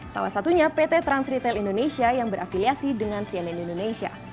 salah satunya pt trans retail indonesia yang berafiliasi dengan cnn indonesia